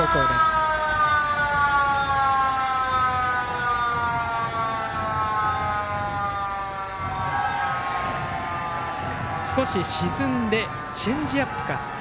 今の球、少し沈んでチェンジアップか。